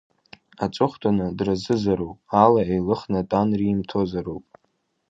Аҵыхәтәаны, дразызароуп, ала еилыхны атәан римҭозароуп.